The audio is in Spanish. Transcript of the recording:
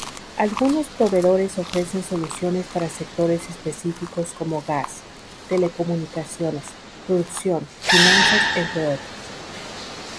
Algunos proveedores ofrecen soluciones para sectores específicos como Gas, Telecomunicaciones, Producción, Finanzas, entre otros.